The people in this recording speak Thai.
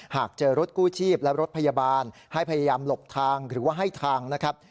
หากเจอรถกู้ชีพและรถพยาบาลให้พยายามหลบทางหรือว่าให้ทางนะครับ